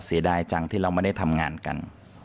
เสียดายจังที่เราไม่ได้ทำงานกัน